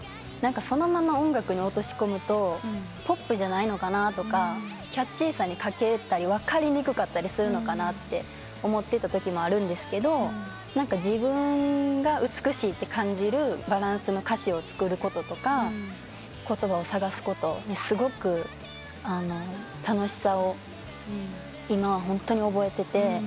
何かそのまま音楽に落とし込むとポップじゃないのかなとかキャッチーさに欠けたり分かりにくかったりするのかなと思ってたときもあるんですけど何か自分が美しいって感じるバランスの歌詞を作ることとか言葉を探すことにすごく楽しさを今はホントに覚えてて。